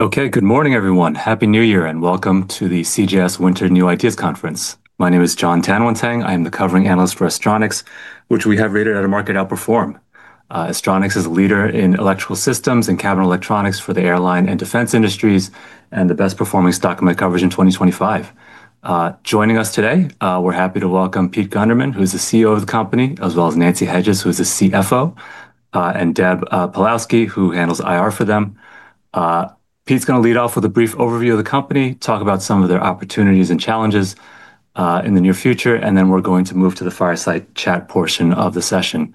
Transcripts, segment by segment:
Okay, good morning, everyone. Happy New Year and welcome to the CJS Winter New Ideas Conference. My name is Jon Tanwanteng. I am the covering analyst for Astronics, which we have rated at a market outperform. Astronics is a leader in electrical systems and cabin electronics for the airline and defense industries, and the best performing stock in my coverage in 2025. Joining us today, we're happy to welcome Peter Gunderman, who is the CEO of the company, as well as Nancy Hedges, who is the CFO, and Deb Pawlowski, who handles IR for them. Pete's going to lead off with a brief overview of the company, talk about some of their opportunities and challenges in the near future, and then we're going to move to the fireside chat portion of the session.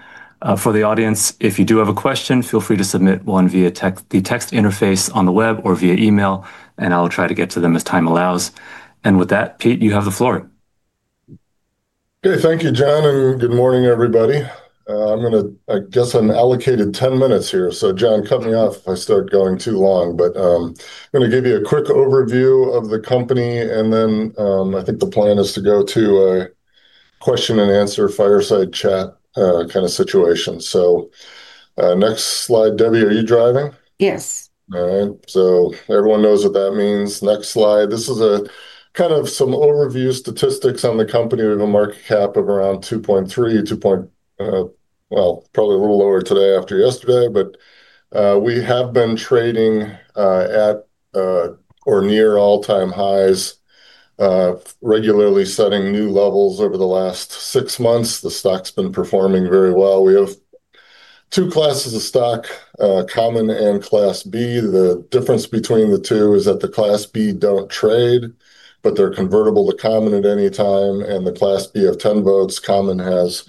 For the audience, if you do have a question, feel free to submit one via the text interface on the web or via email, and I'll try to get to them as time allows. And with that, Pete, you have the floor. Okay, thank you, Jon, and good morning, everybody. I'm going to, I guess, allocate 10 minutes here. So, Jon, cut me off if I start going too long, but I'm going to give you a quick overview of the company, and then I think the plan is to go to a question and answer fireside chat kind of situation. So, next slide, Debbie, are you driving? Yes. All right. So everyone knows what that means. Next slide. This is a kind of some overview statistics on the company. We have a market cap of around $2.3 billion, well, probably a little lower today after yesterday, but we have been trading at or near all-time highs, regularly setting new levels over the last six months. The stock's been performing very well. We have two classes of stock, Common and Class B. The difference between the two is that the Class B don't trade, but they're convertible to Common at any time. And the Class B of 10 votes, Common has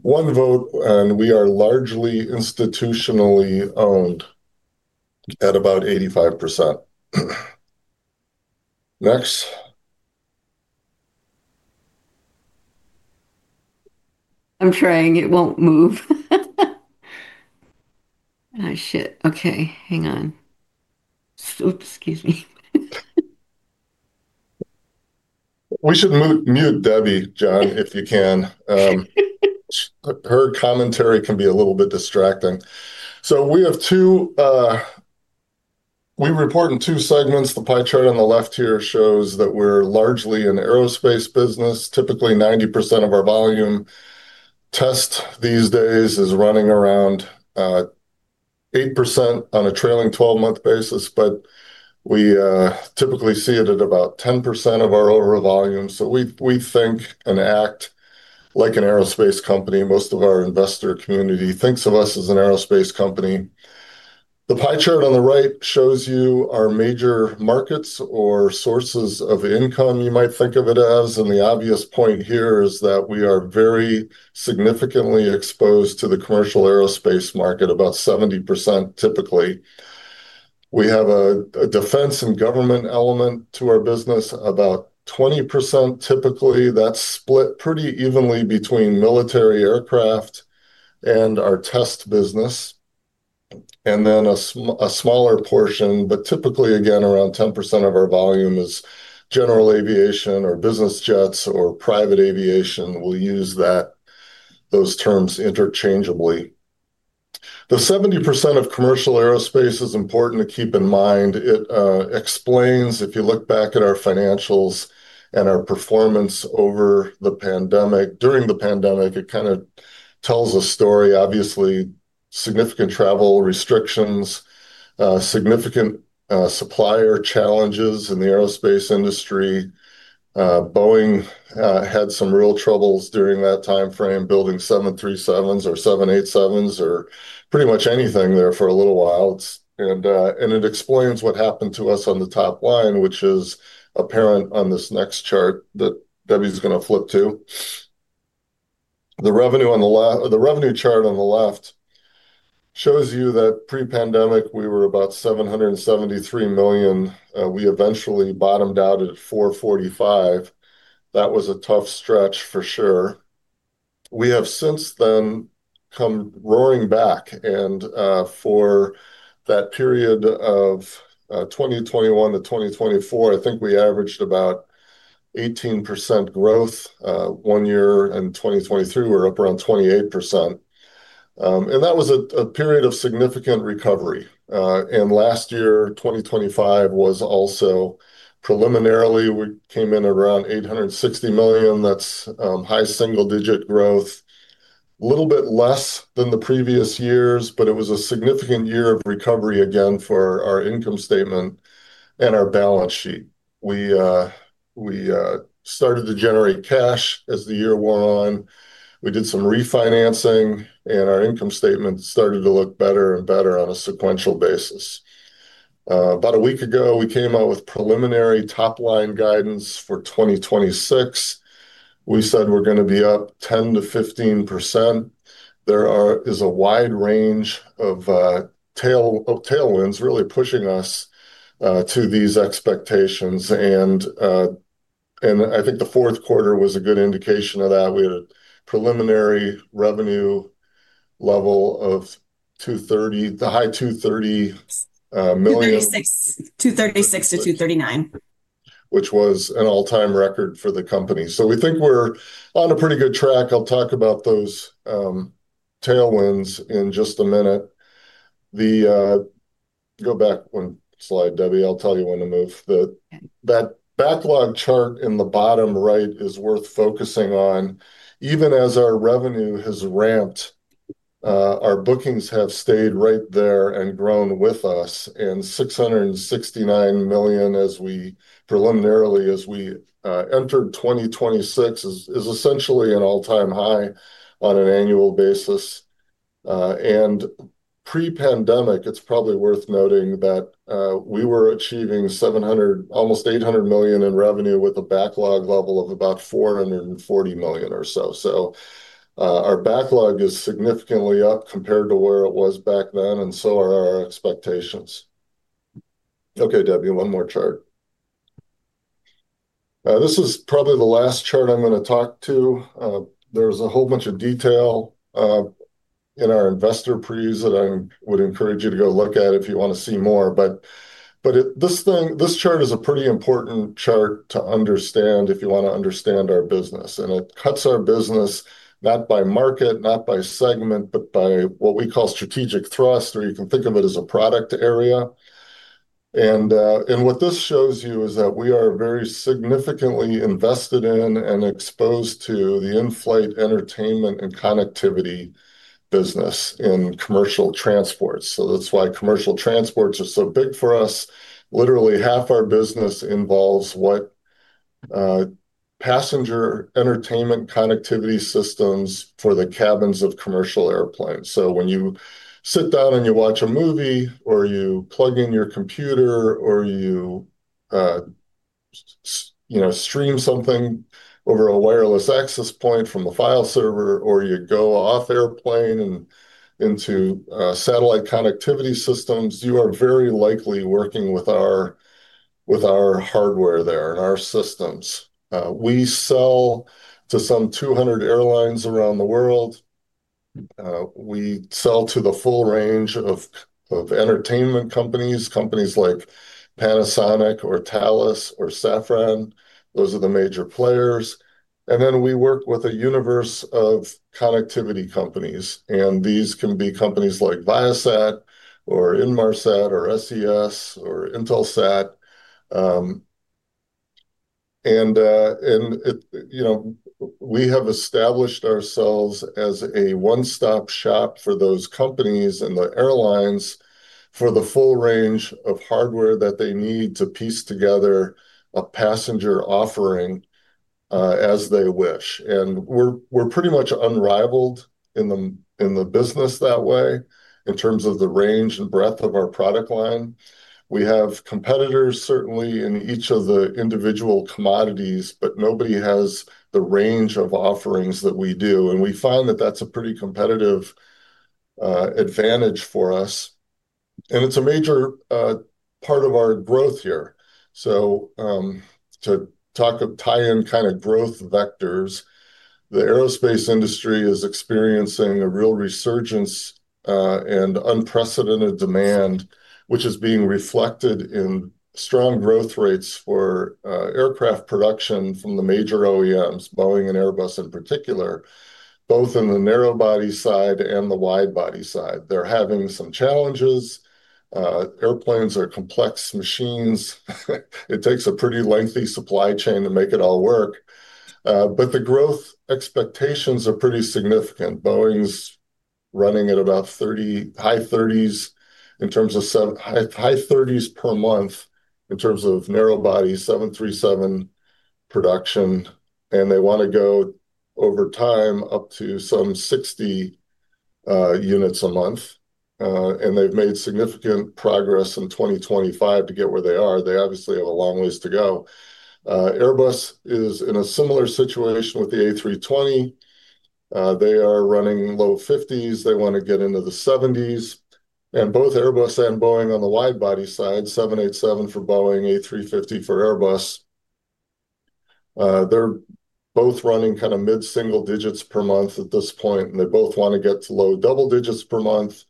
one vote, and we are largely institutionally owned at about 85%. Next. I'm trying. It won't move. I shit. Okay, hang on. Excuse me. We should mute Debbie, Jon, if you can. Her commentary can be a little bit distracting. We have two. We report in two segments. The pie chart on the left here shows that we're largely an aerospace business. Typically, 90% of our volume. The rest these days is running around 8% on a trailing 12-month basis, but we typically see it at about 10% of our overall volume. We think and act like an aerospace company. Most of our investor community thinks of us as an aerospace company. The pie chart on the right shows you our major markets or sources of income, you might think of it as. The obvious point here is that we are very significantly exposed to the commercial aerospace market, about 70% typically. We have a defense and government element to our business, about 20% typically. That's split pretty evenly between military aircraft and our test business, and then a smaller portion, but typically, again, around 10% of our volume is general aviation or business jets or private aviation. We'll use those terms interchangeably. The 70% of commercial aerospace is important to keep in mind. It explains, if you look back at our financials and our performance over the pandemic, during the pandemic, it kind of tells a story. Obviously, significant travel restrictions, significant supplier challenges in the aerospace industry. Boeing had some real troubles during that timeframe, building 737s or 787s or pretty much anything there for a little while, and it explains what happened to us on the top line, which is apparent on this next chart that Debbie's going to flip to. The revenue chart on the left shows you that pre-pandemic, we were about $773 million. We eventually bottomed out at $445 million. That was a tough stretch for sure. We have since then come roaring back. And for that period of 2021-2024, I think we averaged about 18% growth. One year in 2023, we were up around 28%. And that was a period of significant recovery. And last year, 2025, was also preliminarily, we came in around $860 million. That's high single-digit growth, a little bit less than the previous years, but it was a significant year of recovery again for our income statement and our balance sheet. We started to generate cash as the year wore on. We did some refinancing, and our income statement started to look better and better on a sequential basis. About a week ago, we came out with preliminary top-line guidance for 2026. We said we're going to be up 10%-15%. There is a wide range of tailwinds really pushing us to these expectations. And I think the fourth quarter was a good indication of that. We had a preliminary revenue level of $230 million, the high $230 million. 236-239. Which was an all-time record for the company. So we think we're on a pretty good track. I'll talk about those tailwinds in just a minute. Go back one slide, Debbie. I'll tell you when to move. That backlog chart in the bottom right is worth focusing on. Even as our revenue has ramped, our bookings have stayed right there and grown with us. And $669 million, as we preliminarily, as we entered 2026, is essentially an all-time high on an annual basis. And pre-pandemic, it's probably worth noting that we were achieving $700 million, almost $800 million in revenue with a backlog level of about $440 million or so. So our backlog is significantly up compared to where it was back then, and so are our expectations. Okay, Debbie, one more chart. This is probably the last chart I'm going to talk to. There's a whole bunch of detail in our investor previews that I would encourage you to go look at if you want to see more. But this chart is a pretty important chart to understand if you want to understand our business. And it cuts our business not by market, not by segment, but by what we call Strategic Thrust, or you can think of it as a product area. And what this shows you is that we are very significantly invested in and exposed to the in-flight entertainment and connectivity business in commercial transports. So that's why commercial transports are so big for us. Literally, half our business involves what passenger entertainment connectivity systems for the cabins of commercial airplanes. When you sit down and you watch a movie, or you plug in your computer, or you stream something over a wireless access point from a file server, or you go off airplane and into satellite connectivity systems, you are very likely working with our hardware there and our systems. We sell to some 200 airlines around the world. We sell to the full range of entertainment companies, companies like Panasonic or Thales or Safran. Those are the major players. Then we work with a universe of connectivity companies. These can be companies like Viasat or Inmarsat or SES or Intelsat. We have established ourselves as a one-stop shop for those companies and the airlines for the full range of hardware that they need to piece together a passenger offering as they wish. And we're pretty much unrivaled in the business that way in terms of the range and breadth of our product line. We have competitors, certainly, in each of the individual commodities, but nobody has the range of offerings that we do. And we find that that's a pretty competitive advantage for us. And it's a major part of our growth here. So to tie in kind of growth vectors, the aerospace industry is experiencing a real resurgence and unprecedented demand, which is being reflected in strong growth rates for aircraft production from the major OEMs, Boeing and Airbus in particular, both in the narrow body side and the wide body side. They're having some challenges. Airplanes are complex machines. It takes a pretty lengthy supply chain to make it all work. But the growth expectations are pretty significant. Boeing's running at about high 30s in terms of high 30s per month in terms of narrow body 737 production. And they want to go over time up to some 60 units a month. And they've made significant progress in 2025 to get where they are. They obviously have a long ways to go. Airbus is in a similar situation with the A320. They are running low 50s. They want to get into the 70s. And both Airbus and Boeing on the wide body side, 787 for Boeing, A350 for Airbus. They're both running kind of mid-single digits per month at this point, and they both want to get to low double digits per month.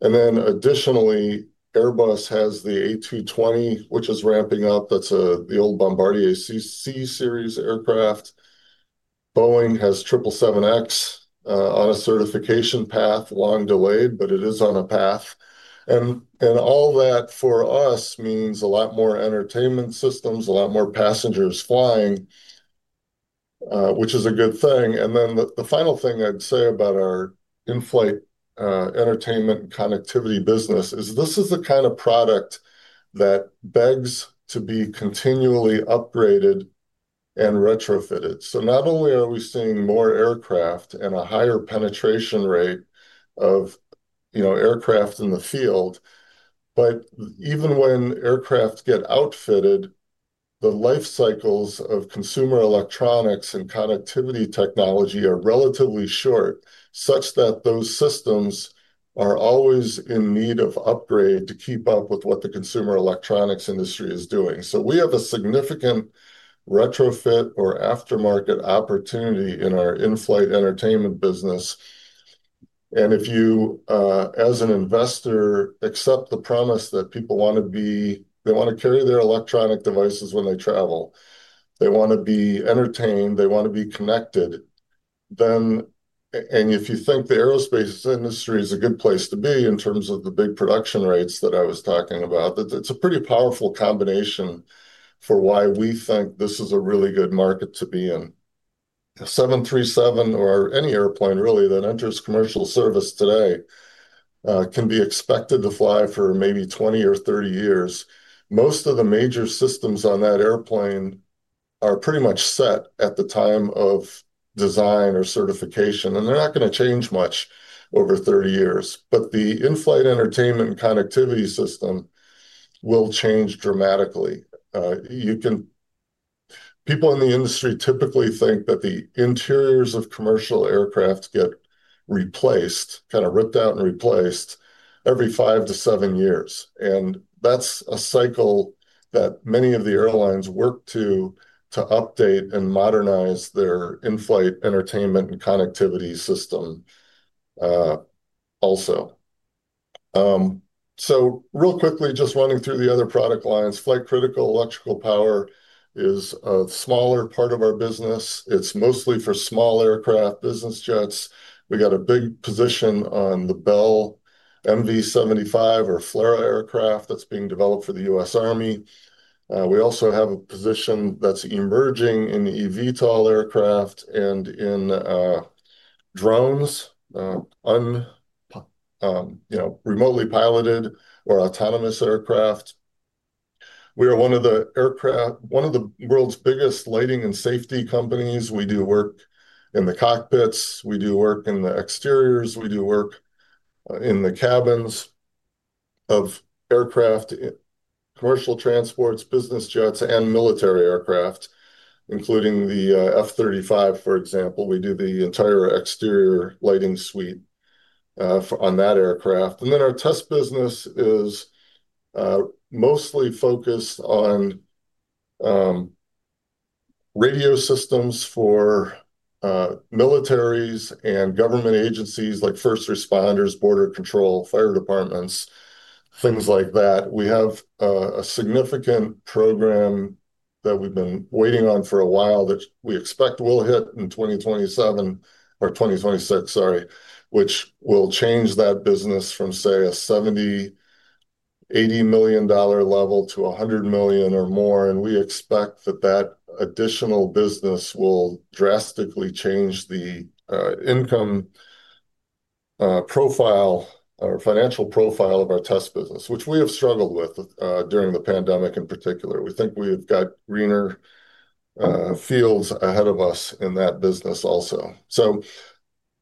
And then additionally, Airbus has the A220, which is ramping up. That's the old Bombardier C Series aircraft. Boeing has 777X on a certification path, long delayed, but it is on a path. And all that for us means a lot more entertainment systems, a lot more passengers flying, which is a good thing. And then the final thing I'd say about our in-flight entertainment and connectivity business is this is the kind of product that begs to be continually upgraded and retrofitted. So not only are we seeing more aircraft and a higher penetration rate of aircraft in the field, but even when aircraft get outfitted, the life cycles of consumer electronics and connectivity technology are relatively short, such that those systems are always in need of upgrade to keep up with what the consumer electronics industry is doing. So we have a significant retrofit or aftermarket opportunity in our in-flight entertainment business. And if you, as an investor, accept the promise that people want to be, they want to carry their electronic devices when they travel. They want to be entertained. They want to be connected, and if you think the aerospace industry is a good place to be in terms of the big production rates that I was talking about, that's a pretty powerful combination for why we think this is a really good market to be in. 737 or any airplane really that enters commercial service today can be expected to fly for maybe 20 or 30 years. Most of the major systems on that airplane are pretty much set at the time of design or certification, and they're not going to change much over 30 years, but the in-flight entertainment connectivity system will change dramatically. People in the industry typically think that the interiors of commercial aircraft get replaced, kind of ripped out and replaced every five to seven years. That's a cycle that many of the airlines work to update and modernize their in-flight entertainment and connectivity system also. Real quickly, just running through the other product lines, Flight Critical Electrical Power is a smaller part of our business. It's mostly for small aircraft, business jets. We got a big position on the Bell V-280 or FLRAA aircraft that's being developed for the U.S. Army. We also have a position that's emerging in eVTOL aircraft and in drones, remotely piloted or autonomous aircraft. We are one of the aircraft, one of the world's biggest lighting and safety companies. We do work in the cockpits. We do work in the exteriors. We do work in the cabins of aircraft, commercial transports, business jets, and military aircraft, including the F-35, for example. We do the entire exterior lighting suite on that aircraft. And then our test business is mostly focused on radio systems for militaries and government agencies like first responders, border control, fire departments, things like that. We have a significant program that we've been waiting on for a while that we expect will hit in 2027 or 2026, sorry, which will change that business from, say, a $70-$80 million level to $100 million or more. And we expect that that additional business will drastically change the income profile or financial profile of our test business, which we have struggled with during the pandemic in particular. We think we have got greener fields ahead of us in that business also. So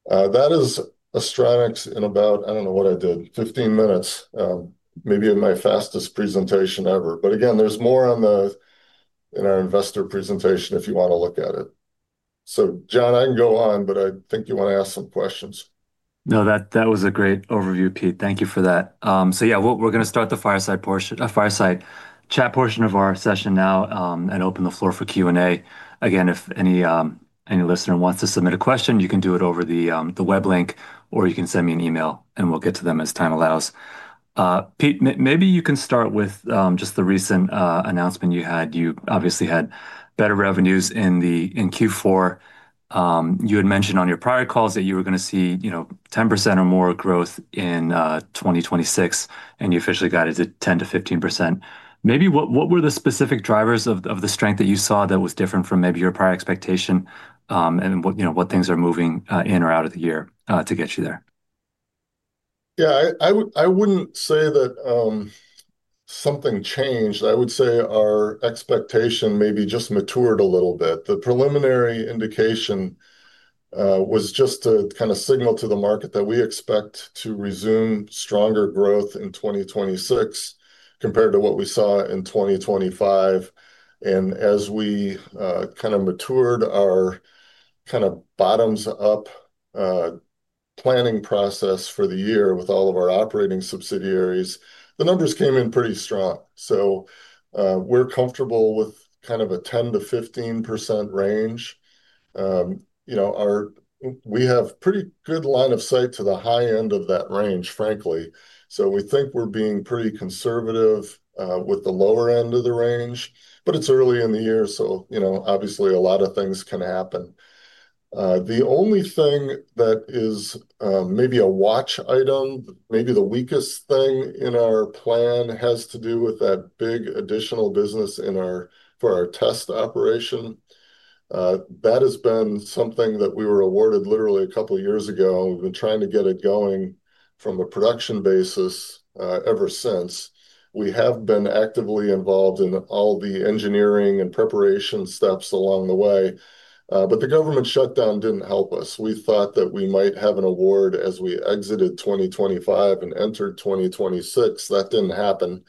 that is Astronics in about, I don't know what I did, 15 minutes, maybe in my fastest presentation ever. But again, there's more in our investor presentation if you want to look at it. So Jon, I can go on, but I think you want to ask some questions. No, that was a great overview, Pete. Thank you for that. So yeah, we're going to start the fireside portion, fireside chat portion of our session now and open the floor for Q&A. Again, if any listener wants to submit a question, you can do it over the web link, or you can send me an email, and we'll get to them as time allows. Pete, maybe you can start with just the recent announcement you had. You obviously had better revenues in Q4. You had mentioned on your prior calls that you were going to see 10% or more growth in 2026, and you officially got it to 10%-15%. Maybe what were the specific drivers of the strength that you saw that was different from maybe your prior expectation and what things are moving in or out of the year to get you there? Yeah, I wouldn't say that something changed. I would say our expectation maybe just matured a little bit. The preliminary indication was just to kind of signal to the market that we expect to resume stronger growth in 2026 compared to what we saw in 2025. And as we kind of matured our kind of bottoms-up planning process for the year with all of our operating subsidiaries, the numbers came in pretty strong. So we're comfortable with kind of a 10%-15% range. We have pretty good line of sight to the high end of that range, frankly. So we think we're being pretty conservative with the lower end of the range, but it's early in the year, so obviously a lot of things can happen. The only thing that is maybe a watch item, maybe the weakest thing in our plan has to do with that big additional business for our test operation. That has been something that we were awarded literally a couple of years ago. We've been trying to get it going from a production basis ever since. We have been actively involved in all the engineering and preparation steps along the way. But the government shutdown didn't help us. We thought that we might have an award as we exited 2025 and entered 2026. That didn't happen,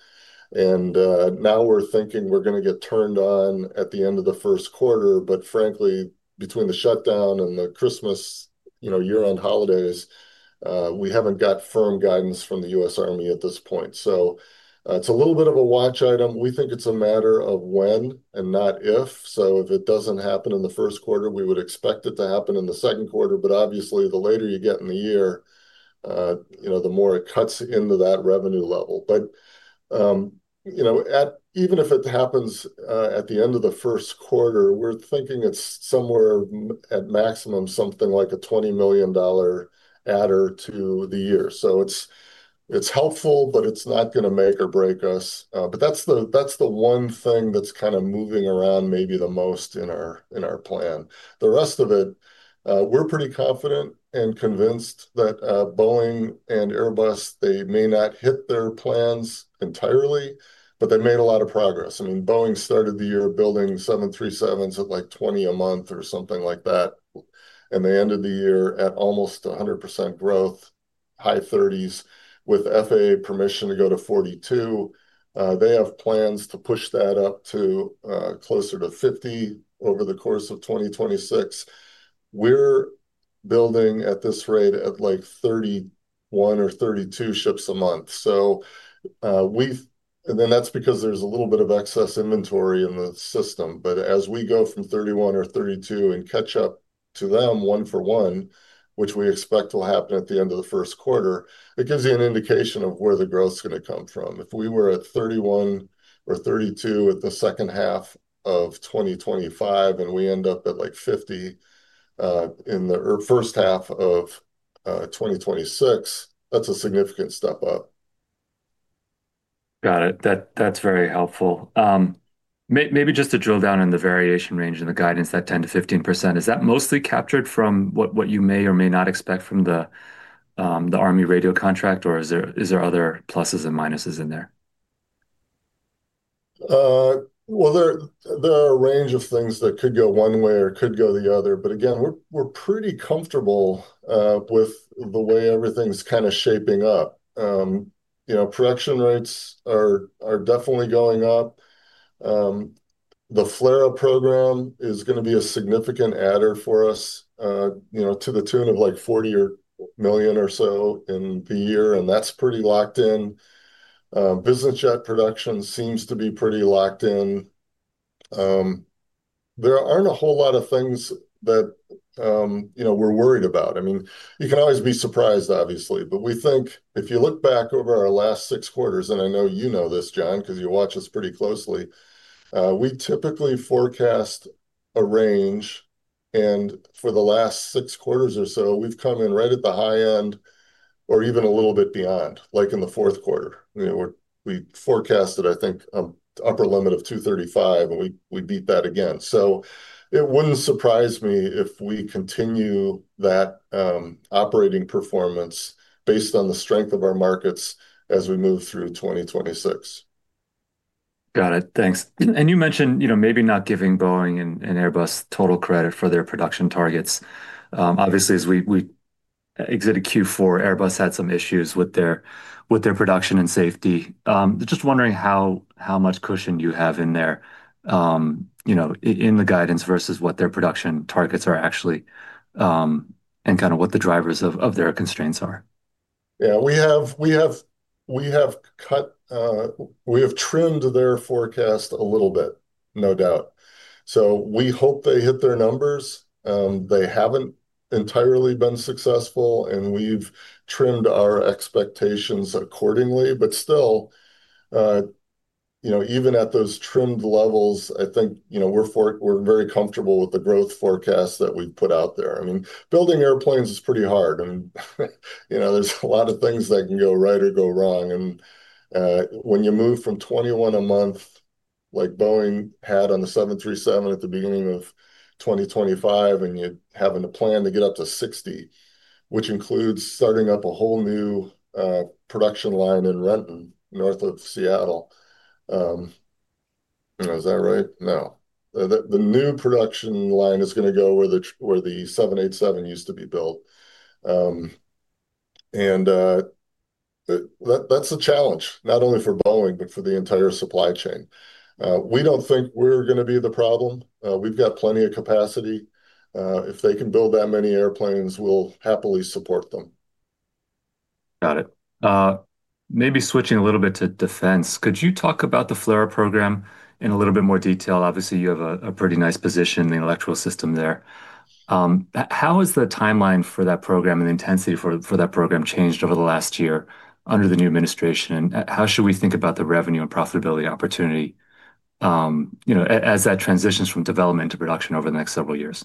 and now we're thinking we're going to get turned on at the end of the first quarter, but frankly, between the shutdown and the Christmas year-end holidays, we haven't got firm guidance from the U.S. Army at this point, so it's a little bit of a watch item. We think it's a matter of when and not if. So if it doesn't happen in the first quarter, we would expect it to happen in the second quarter. But obviously, the later you get in the year, the more it cuts into that revenue level. But even if it happens at the end of the first quarter, we're thinking it's somewhere at maximum something like a $20 million add-on to the year. So it's helpful, but it's not going to make or break us. But that's the one thing that's kind of moving around maybe the most in our plan. The rest of it, we're pretty confident and convinced that Boeing and Airbus, they may not hit their plans entirely, but they made a lot of progress. I mean, Boeing started the year building 737s at like 20 a month or something like that. They ended the year at almost 100% growth, high 30s with FAA permission to go to 42. They have plans to push that up to closer to 50 over the course of 2026. We're building at this rate at like 31 or 32 ships a month, so then that's because there's a little bit of excess inventory in the system, but as we go from 31 or 32 and catch up to them one for one, which we expect will happen at the end of the first quarter, it gives you an indication of where the growth is going to come from. If we were at 31 or 32 at the second half of 2025 and we end up at like 50 in the first half of 2026, that's a significant step up. Got it. That's very helpful. Maybe just to drill down in the variation range and the guidance, that 10%-15%, is that mostly captured from what you may or may not expect from the Army radio contract, or is there other pluses and minuses in there? There are a range of things that could go one way or could go the other. But again, we're pretty comfortable with the way everything's kind of shaping up. Production rates are definitely going up. The FLRAA program is going to be a significant add-on for us to the tune of like $40 million or so in the year. And that's pretty locked in. Business jet production seems to be pretty locked in. There aren't a whole lot of things that we're worried about. I mean, you can always be surprised, obviously. But we think if you look back over our last six quarters, and I know you know this, Jon, because you watch us pretty closely, we typically forecast a range. And for the last six quarters or so, we've come in right at the high end or even a little bit beyond, like in the fourth quarter. We forecasted, I think, an upper limit of 235, and we beat that again, so it wouldn't surprise me if we continue that operating performance based on the strength of our markets as we move through 2026. Got it. Thanks. And you mentioned maybe not giving Boeing and Airbus total credit for their production targets. Obviously, as we exited Q4, Airbus had some issues with their production and safety. Just wondering how much cushion you have in there in the guidance versus what their production targets are actually and kind of what the drivers of their constraints are? Yeah, we have trimmed their forecast a little bit, no doubt, so we hope they hit their numbers. They haven't entirely been successful, and we've trimmed our expectations accordingly, but still, even at those trimmed levels, I think we're very comfortable with the growth forecast that we've put out there. I mean, building airplanes is pretty hard, and there's a lot of things that can go right or go wrong, and when you move from 21 a month, like Boeing had on the 737 at the beginning of 2025, and you're having to plan to get up to 60, which includes starting up a whole new production line in Renton north of Seattle. Is that right? No, the new production line is going to go where the 787 used to be built, and that's a challenge, not only for Boeing, but for the entire supply chain. We don't think we're going to be the problem. We've got plenty of capacity. If they can build that many airplanes, we'll happily support them. Got it. Maybe switching a little bit to defense, could you talk about the FLRAA program in a little bit more detail? Obviously, you have a pretty nice position in the electrical system there. How has the timeline for that program and the intensity for that program changed over the last year under the new administration? And how should we think about the revenue and profitability opportunity as that transitions from development to production over the next several years?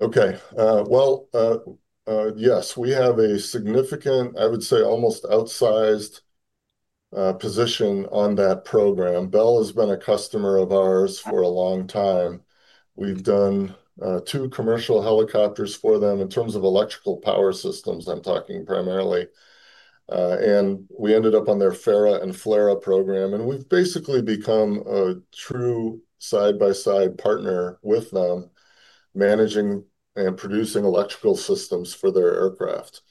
Okay. Well, yes, we have a significant, I would say almost outsized position on that program. Bell has been a customer of ours for a long time. We've done two commercial helicopters for them in terms of electrical power systems. I'm talking primarily, and we ended up on their FARA and FLRAA program. We've basically become a true side-by-side partner with them managing and producing electrical systems for their aircraft.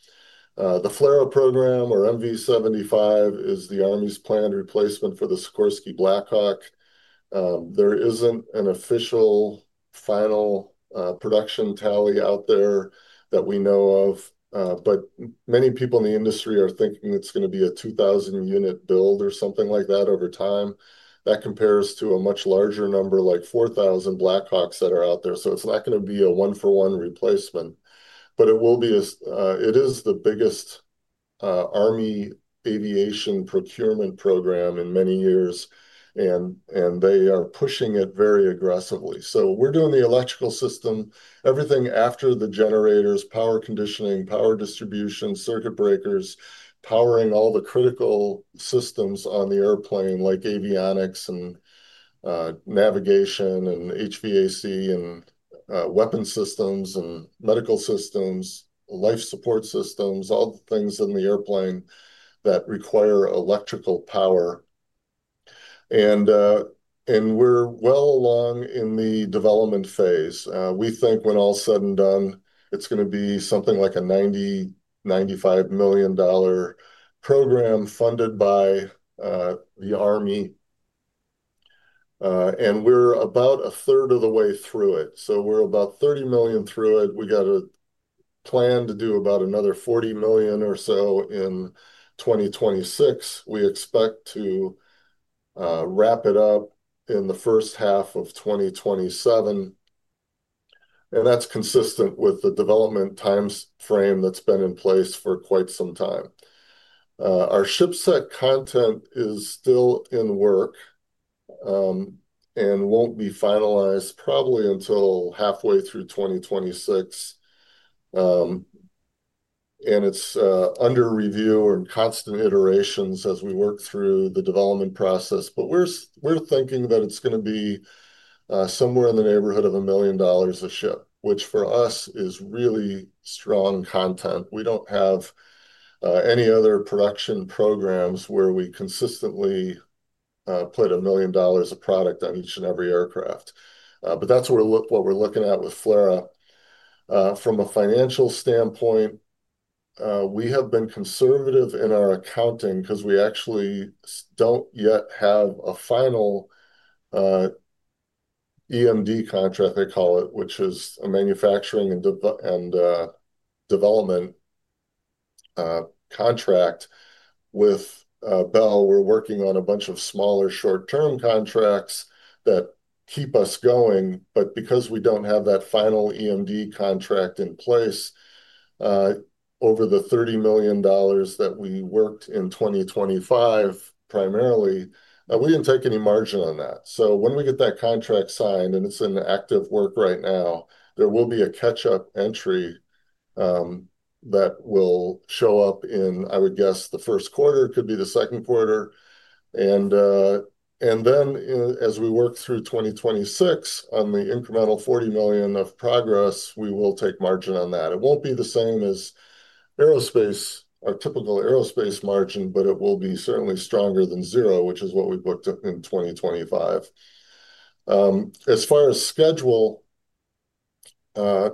The FLRAA program or V-280 is the Army's planned replacement for the Sikorsky Black Hawk. There isn't an official final production tally out there that we know of, but many people in the industry are thinking it's going to be a 2,000-unit build or something like that over time. That compares to a much larger number, like 4,000 Black Hawks that are out there, so it's not going to be a one-for-one replacement. It is the biggest Army aviation procurement program in many years. They are pushing it very aggressively. We are doing the electrical system, everything after the generators, power conditioning, power distribution, circuit breakers, powering all the critical systems on the airplane, like avionics and navigation and HVAC and weapon systems and medical systems, life support systems, all the things in the airplane that require electrical power. We are well along in the development phase. We think when all's said and done, it is going to be something like a $90-$95 million program funded by the Army. We are about a third of the way through it. We are about $30 million through it. We got a plan to do about another $40 million or so in 2026. We expect to wrap it up in the first half of 2027. That's consistent with the development timeframe that's been in place for quite some time. Our ship set content is still in work and won't be finalized probably until halfway through 2026. It's under review and constant iterations as we work through the development process. We're thinking that it's going to be somewhere in the neighborhood of $1 million a ship, which for us is really strong content. We don't have any other production programs where we consistently put $1 million of product on each and every aircraft. That's what we're looking at with FLRAA. From a financial standpoint, we have been conservative in our accounting because we actually don't yet have a final EMD contract, they call it, which is a manufacturing and development contract. With Bell, we're working on a bunch of smaller short-term contracts that keep us going. But because we don't have that final EMD contract in place, over the $30 million that we worked in 2025 primarily, we didn't take any margin on that. So when we get that contract signed and it's in active work right now, there will be a catch-up entry that will show up in, I would guess, the first quarter, could be the second quarter. And then as we work through 2026 on the incremental $40 million of progress, we will take margin on that. It won't be the same as our typical aerospace margin, but it will be certainly stronger than zero, which is what we booked in 2025. As far as schedule, I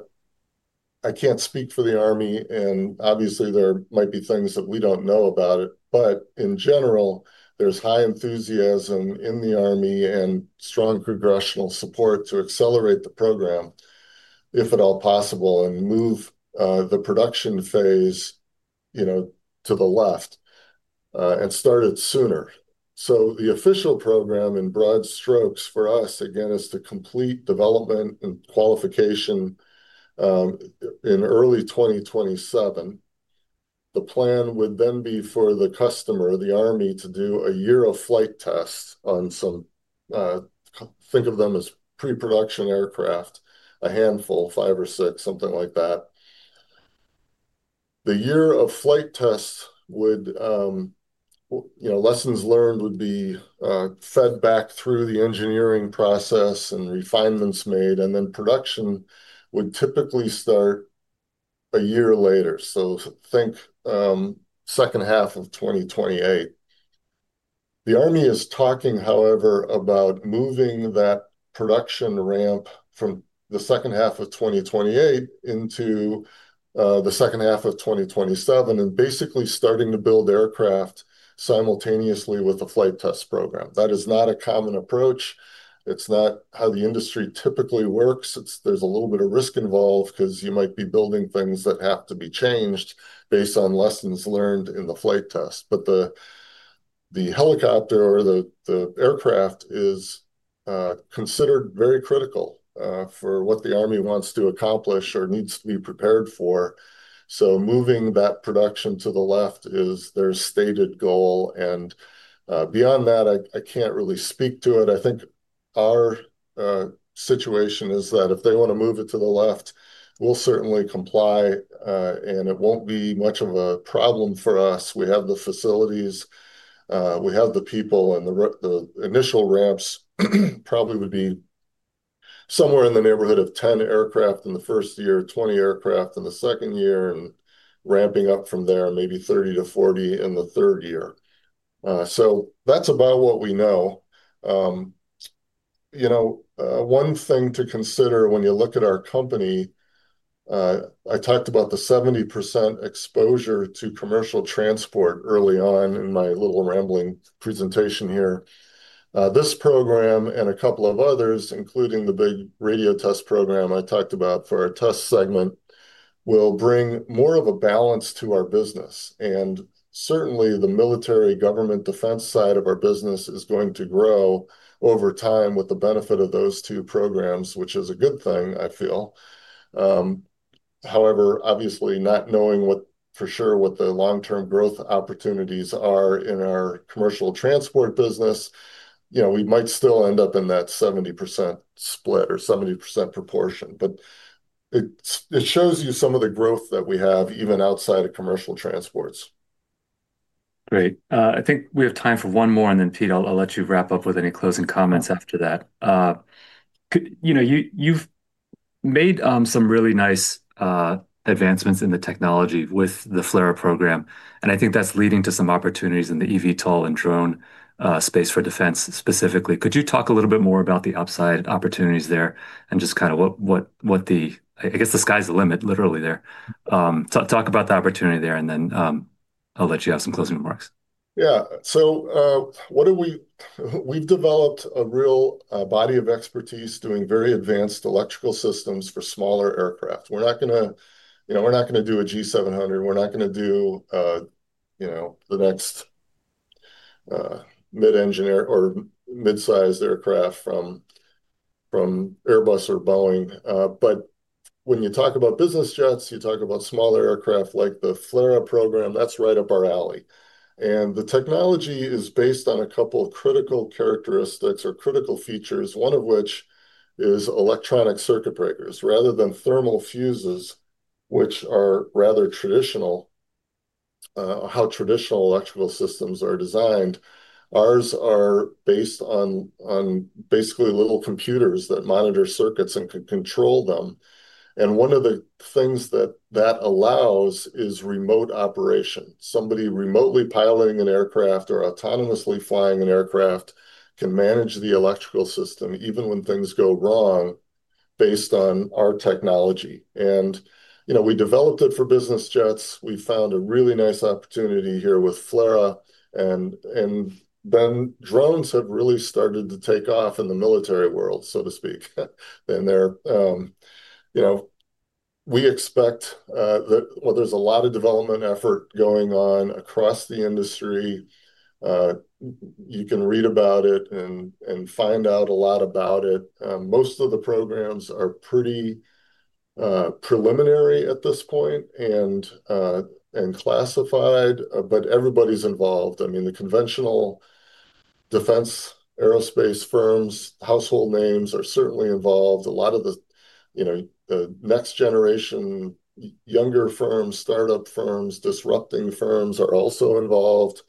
can't speak for the Army. And obviously, there might be things that we don't know about it. But in general, there's high enthusiasm in the Army and strong congressional support to accelerate the program, if at all possible, and move the production phase to the left and start it sooner. So the official program in broad strokes for us, again, is to complete development and qualification in early 2027. The plan would then be for the customer, the Army, to do a year of flight tests on some, think of them as pre-production aircraft, a handful, five or six, something like that. The year of flight tests, lessons learned would be fed back through the engineering process and refinements made. And then production would typically start a year later. So think second half of 2028. The Army is talking, however, about moving that production ramp from the second half of 2028 into the second half of 2027 and basically starting to build aircraft simultaneously with the flight test program. That is not a common approach. It's not how the industry typically works. There's a little bit of risk involved because you might be building things that have to be changed based on lessons learned in the flight test, but the helicopter or the aircraft is considered very critical for what the Army wants to accomplish or needs to be prepared for, so moving that production to the left is their stated goal, and beyond that, I can't really speak to it. I think our situation is that if they want to move it to the left, we'll certainly comply, and it won't be much of a problem for us. We have the facilities. We have the people. And the initial ramps probably would be somewhere in the neighborhood of 10 aircraft in the first year, 20 aircraft in the second year, and ramping up from there, maybe 30-40 in the third year. So that's about what we know. One thing to consider when you look at our company, I talked about the 70% exposure to commercial transport early on in my little rambling presentation here. This program and a couple of others, including the big radio test program I talked about for our test segment, will bring more of a balance to our business. And certainly, the military government defense side of our business is going to grow over time with the benefit of those two programs, which is a good thing, I feel. However, obviously, not knowing for sure what the long-term growth opportunities are in our commercial transport business, we might still end up in that 70% split or 70% proportion. But it shows you some of the growth that we have even outside of commercial transports. Great. I think we have time for one more. And then, Pete, I'll let you wrap up with any closing comments after that. You've made some really nice advancements in the technology with the FLRAA program. And I think that's leading to some opportunities in the eVTOL and drone space for defense specifically. Could you talk a little bit more about the upside opportunities there and just kind of what the, I guess, the sky's the limit, literally there? Talk about the opportunity there, and then I'll let you have some closing remarks. Yeah. So we've developed a real body of expertise doing very advanced electrical systems for smaller aircraft. We're not going to, we're not going to do a G700. We're not going to do the next mid-engine or mid-sized aircraft from Airbus or Boeing. But when you talk about business jets, you talk about smaller aircraft like the FLRAA program, that's right up our alley. And the technology is based on a couple of critical characteristics or critical features, one of which is electronic circuit breakers. Rather than thermal fuses, which are rather traditional, how traditional electrical systems are designed. Ours are based on basically little computers that monitor circuits and can control them. And one of the things that that allows is remote operation. Somebody remotely piloting an aircraft or autonomously flying an aircraft can manage the electrical system even when things go wrong based on our technology. And we developed it for business jets. We found a really nice opportunity here with FLRAA. And then drones have really started to take off in the military world, so to speak. And we expect that, well, there's a lot of development effort going on across the industry. You can read about it and find out a lot about it. Most of the programs are pretty preliminary at this point and classified. But everybody's involved. I mean, the conventional defense aerospace firms, household names are certainly involved. A lot of the next-generation younger firms, startup firms, disrupting firms are also involved.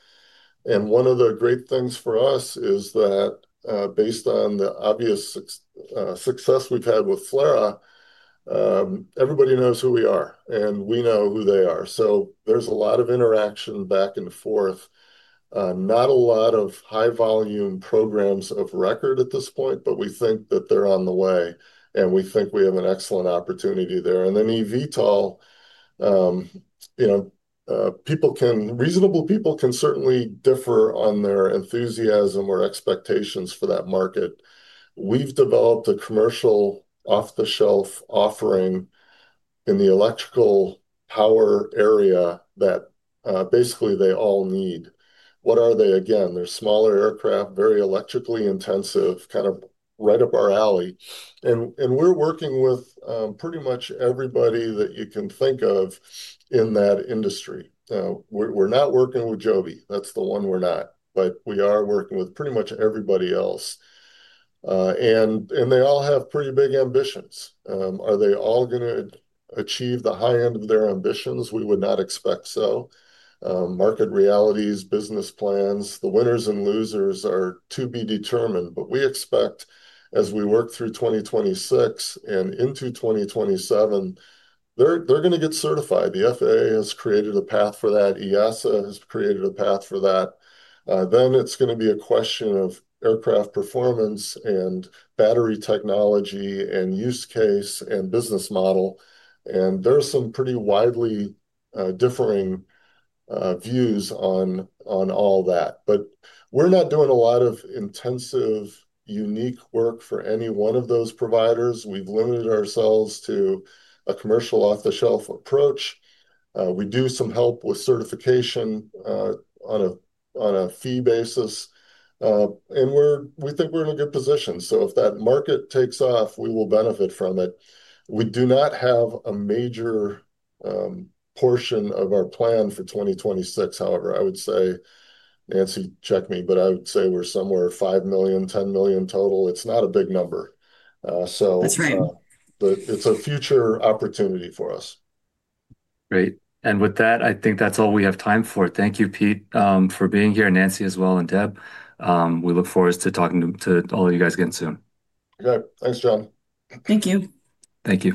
And one of the great things for us is that based on the obvious success we've had with FLRAA, everybody knows who we are, and we know who they are. So there's a lot of interaction back and forth. Not a lot of high-volume programs of record at this point, but we think that they're on the way, and we think we have an excellent opportunity there, and then eVTOL, reasonable people can certainly differ on their enthusiasm or expectations for that market. We've developed a commercial off-the-shelf offering in the electrical power area that basically they all need. What are they again? They're smaller aircraft, very electrically intensive, kind of right up our alley, and we're working with pretty much everybody that you can think of in that industry. We're not working with Joby. That's the one we're not, but we are working with pretty much everybody else, and they all have pretty big ambitions. Are they all going to achieve the high end of their ambitions? We would not expect so. Market realities, business plans, the winners and losers are to be determined. But we expect, as we work through 2026 and into 2027, they're going to get certified. The FAA has created a path for that. EASA has created a path for that. Then it's going to be a question of aircraft performance and battery technology and use case and business model. And there are some pretty widely differing views on all that. But we're not doing a lot of intensive unique work for any one of those providers. We've limited ourselves to a commercial off-the-shelf approach. We do some help with certification on a fee basis. And we think we're in a good position. So if that market takes off, we will benefit from it. We do not have a major portion of our plan for 2026. However, I would say, Nancy check me, but I would say we're somewhere $5 million-$10 million total. It's not a big number. That's right. But it's a future opportunity for us. Great. And with that, I think that's all we have time for. Thank you, Pete, for being here, Nancy as well, and Deb. We look forward to talking to all of you guys again soon. Okay. Thanks, Jon. Thank you. Thank you.